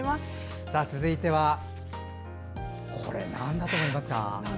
続いてはこれなんだと思いますか？